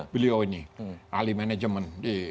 beliau ini ahli manajemen